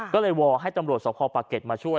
ก็เลยวอลให้ตำรวจสภปะเก็ตมาช่วย